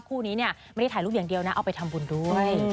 คู่นี้เนี่ยไม่ได้ถ่ายรูปอย่างเดียวนะเอาไปทำบุญด้วย